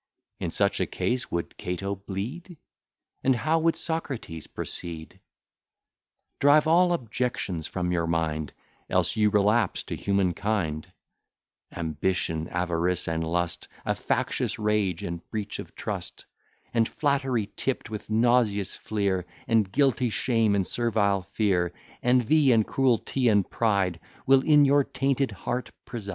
In such a case would Cato bleed? And how would Socrates proceed? Drive all objections from your mind, Else you relapse to human kind: Ambition, avarice, and lust, A factious rage, and breach of trust, And flattery tipt with nauseous fleer, And guilty shame, and servile fear, Envy, and cruelty, and pride, Will in your tainted heart preside.